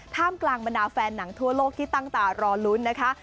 ท่ามกลางบรรดาแฟนหนังทั่วโลกที่ตั้งตารอลุ้นนะคะ